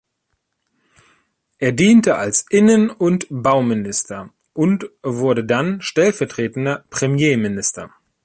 Er diente als Innen- und Bauminister und wurde dann stellvertretender Premierminister.